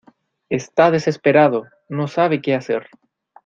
Está desesperado, no sabe qué hacer.